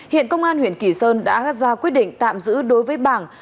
hiện công an huyện kỳ sơn đã ra quyết định tạm giữ đối với bảng